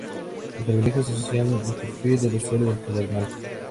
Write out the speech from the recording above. Los privilegios se asocian al perfil del usuario del terminal.